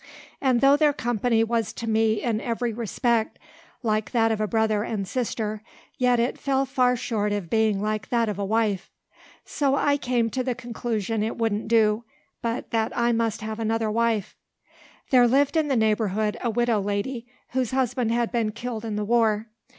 And though their company was to me in every respect like that of a brother and sister, yet it fell far short of being like that of a wife. So I came to the conclusion it wouldn't do, but that I must have another wife. There lived in the neighbourhood, a widow lady whose husband had been killed in the war.